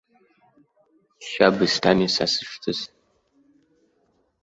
Шьабысҭами са сыҽҵыс.